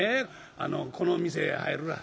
この店へ入るわ。